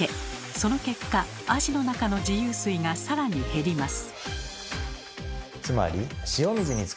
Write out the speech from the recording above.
その結果アジの中の自由水が更に減ります。